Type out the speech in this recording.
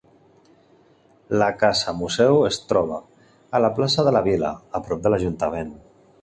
La casa-museu es troba a la plaça de la Vila, a prop de l'Ajuntament.